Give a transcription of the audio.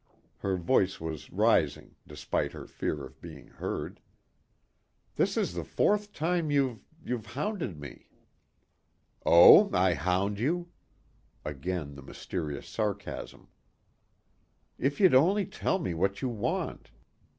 Her voice was rising despite her fear of being heard. "This is the fourth time you've ... you've hounded me." "Oh, I hound you?" Again the mysterious sarcasm. "If you'd only tell me what you want."